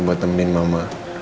buat nemenin mama